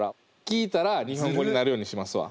聴いたら日本語になるようにしますわ。